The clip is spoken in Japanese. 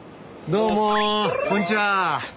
どうもこんにちは。